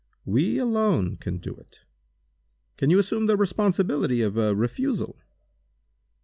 We alone can do it. Can you assume the responsibility of a refusal?"